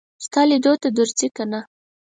ستا لیدو ته درځي که نه.